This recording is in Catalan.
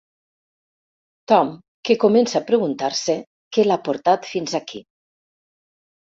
Tom, que comença a preguntar-se què l'ha portat fins aquí.